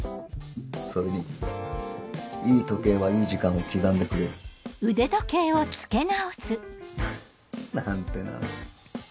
それにいい時計はいい時間を刻んでなんてな